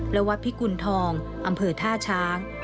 และวัดพิกุณฑองอำเภอท่าช้าง